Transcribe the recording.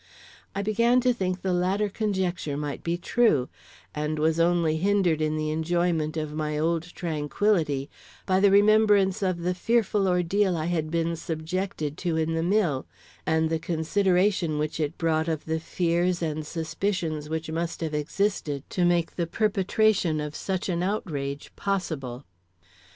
I began to think the latter conjecture might be true, and was only hindered in the enjoyment of my old tranquility by the remembrance of the fearful ordeal I had been subjected to in the mill, and the consideration which it brought of the fears and suspicions which must have existed to make the perpetration of such an outrage possible.